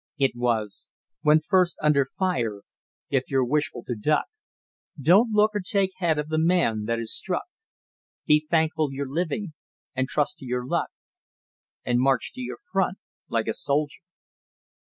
It was: When first under fire, if you're wishful to duck, Don't look or take heed of the man that is struck; Be thankful you're living and trust to your luck, And march to your front like a soldier."